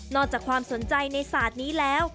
อกจากความสนใจในศาสตร์นี้แล้ว